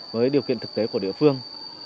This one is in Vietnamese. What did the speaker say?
với điều kiện thực tế của địa phương